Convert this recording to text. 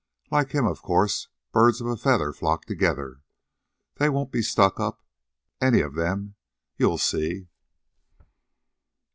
"Like him, of course. Birds of a feather flock together. They won't be stuck up, any of them, you'll see."